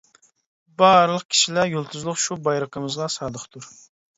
بارلىق كىشىلەر يۇلتۇزلۇق شۇ بايرىقىمىزغا سادىقتۇر.